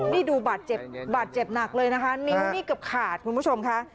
นี่ดูบาดเจ็บบาดเจ็บหนักเลยนะคะนิ้วนี่เกือบขาดคุณผู้ชมค่ะ